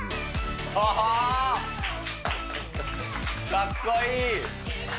かっこいい！